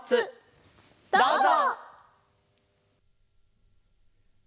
どうぞ！